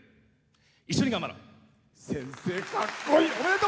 一緒に頑張ろう！